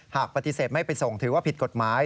หากปฏิเสธไม่ไปส่งถือว่าผิดกฎหมาย